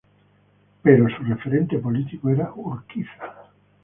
Pero su referente político era Urquiza.